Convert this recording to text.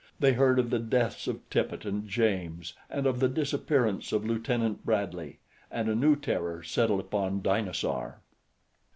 They heard of the deaths of Tippet and James and of the disappearance of Lieutenant Bradley, and a new terror settled upon Dinosaur.